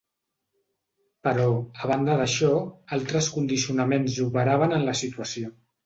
Però, a banda d'això, altres condicionaments operaven en la situació.